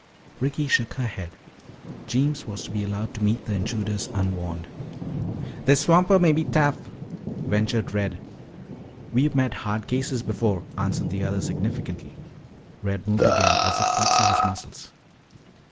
Ricky shook her head. Jeems was to be allowed to meet the intruders unwarned. "This swamper may be tough," ventured Red. "We've met hard cases before," answered the other significantly. Red moved again, as if flexing his muscles.